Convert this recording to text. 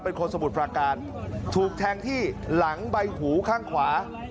เป็นคนสมุทรประการถูกแทงที่หลังใบหูข้างขวา